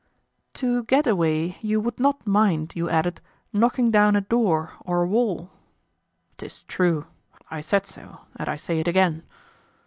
"To get away you would not mind, you added, knocking down a door or a wall." "'Tis true—I said so, and I say it again."